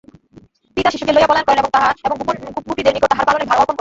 পিতা শিশুকে লইয়া পলায়ন করেন এবং গোপগোপীদের নিকট তাঁহার পালনের ভার অর্পণ করেন।